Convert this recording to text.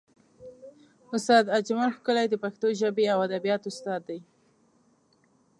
استاد اجمل ښکلی د پښتو ژبې او ادبیاتو استاد دی.